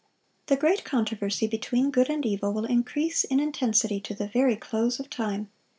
The great controversy between good and evil will increase in intensity to the very close of time.